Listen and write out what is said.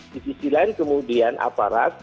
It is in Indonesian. di sisi lain kemudian aparat